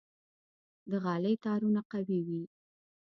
د غالۍ تارونه قوي وي.